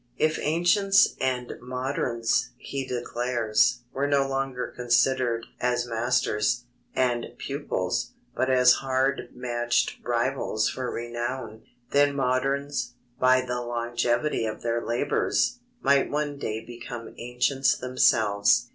"If ancients and moderns," he declares, "were no longer considered as masters, and pupils, but as hard matched rivals for renown, then moderns, by the longevity of their labours, might one day become ancients themselves."